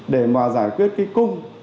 để mà giải quyết cái cung